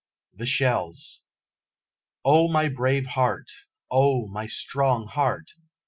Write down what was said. THE SHELLS O my brave heart! O my strong heart!